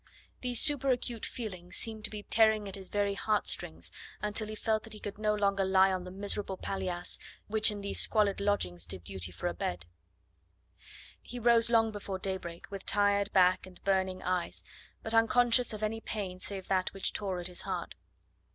These superacute feelings seemed to be tearing at his very heartstrings, until he felt that he could no longer lie on the miserable palliasse which in these squalid lodgings did duty for a bed. He rose long before daybreak, with tired back and burning eyes, but unconscious of any pain save that which tore at his heart.